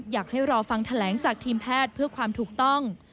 อยากให้รอฟังแถลงจากทีมแพทย์เพื่อความถูกต้อง